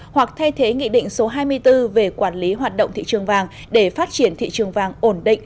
hoặc thay thế nghị định số hai mươi bốn về quản lý hoạt động thị trường vàng để phát triển thị trường vàng ổn định